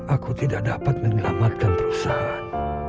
aku tidak dapat menyelamatkan perusahaan